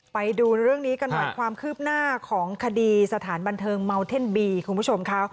ไปดูเรื่องนี้กันหน่อยความคืบหน้าของคดีสถานบันเทิงเมาเท่นบีคุณผู้ชมค่ะ